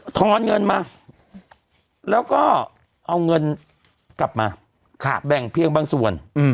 อนเงินมาแล้วก็เอาเงินกลับมาแบ่งเพียงบางส่วน